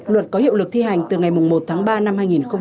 luật có hiệu lực thi hành từ ngày một tháng ba năm hai nghìn hai mươi